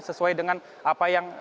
sesuai dengan apa yang